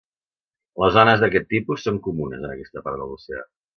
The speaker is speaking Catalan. Les ones d'aquest tipus són comuns en aquesta part de l'oceà.